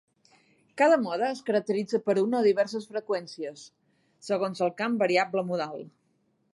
Cada mode es caracteritza per una o diverses freqüències, segons el camp variable modal.